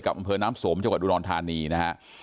กับอำเภอน้ำสมจังหวัดดูนอนธานีนะครับ